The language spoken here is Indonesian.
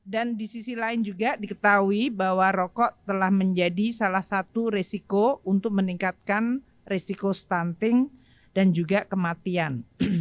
dan di sisi lain juga diketahui bahwa rokok telah menjadi salah satu resiko untuk meningkatkan resiko stunting dan juga kematian